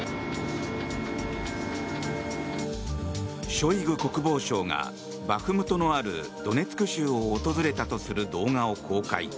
ショイグ国防相がバフムトのあるドネツク州を訪れたとする動画を公開。